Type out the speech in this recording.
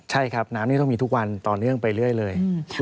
ใช่ครับน้ำนี่ต้องมีทุกวันต่อเนื่องไปเรื่อยเลย